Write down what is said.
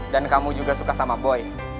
lo tuh jahat boy